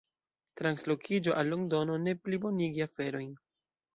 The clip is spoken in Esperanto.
Translokiĝo al Londono ne plibonigi aferojn.